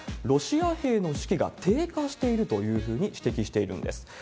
ロシア兵の士気が低下しているというふうに指摘しているんです。